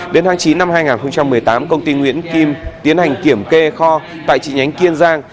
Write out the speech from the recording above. đến tháng chín năm hai nghìn một mươi tám công ty nguyễn kim tiến hành kiểm kê kho tại trị nhánh kiên giang